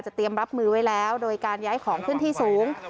เตรียมรับมือไว้แล้วโดยการย้ายของขึ้นที่สูง